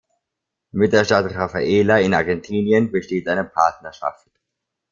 Mit der Stadt Rafaela in Argentinien besteht eine Partnerschaft.